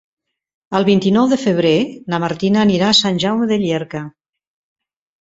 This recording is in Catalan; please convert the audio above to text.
El vint-i-nou de febrer na Martina anirà a Sant Jaume de Llierca.